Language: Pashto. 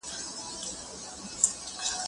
زه به اوږده موده درسونه اورېدلي وم،